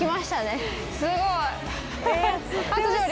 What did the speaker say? すごい！